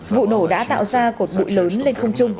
vụ nổ đã tạo ra cột bụi lớn lên không trung